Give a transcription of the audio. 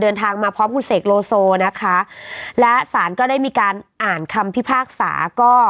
เดินทางมาพร้อมคุณเสกโลโซนะคะและสารก็ได้มีการอ่านคำพิพากษาก็